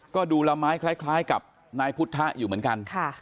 ก็ดูละไม้คล้ายกับนายพุทธะอยู่เหมือนกัน